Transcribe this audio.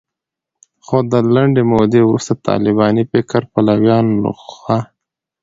خو د لنډې مودې وروسته د طالباني فکر پلویانو لخوا